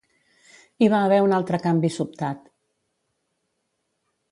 Hi va haver un altre canvi sobtat.